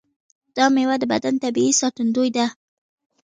دا میوه د بدن طبیعي ساتندوی ده.